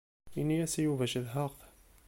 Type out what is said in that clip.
Ini-as i Yuba cedhaɣ-t.